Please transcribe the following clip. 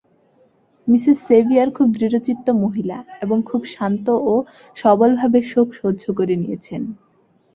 Mrs Sevier খুব দৃঢ়চিত্ত মহিলা এবং খুব শান্ত ও সবলভাবে শোক সহ্য করে নিয়েছেন।